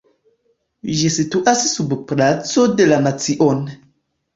Ĝi situas sub Placo de la Nation.